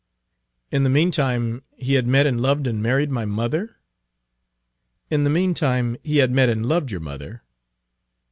"In the mean time he had met and loved and married my mother?" "In the mean time he had met and loved your mother."